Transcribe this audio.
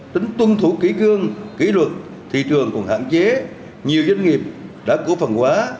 tính tuân thủ kỹ cương kỷ luật thị trường còn hạn chế nhiều doanh nghiệp đã cổ phần hóa